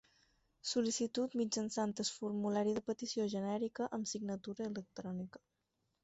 Sol·licitud mitjançant el formulari de petició genèrica amb signatura electrònica.